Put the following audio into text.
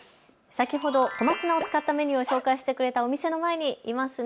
先ほど小松菜を使ったメニューを紹介してくれたお店の前にいますね。